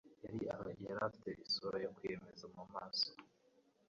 yari afite isura yo kwiyemeza mu maso.